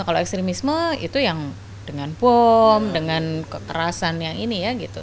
kalau ekstremisme itu yang dengan bom dengan kekerasan yang ini ya gitu